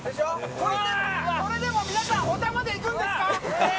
これでも皆さん、保田まで行くんですか？